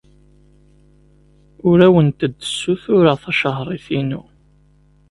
Ur awent-d-ssutureɣ tacehṛit-inu.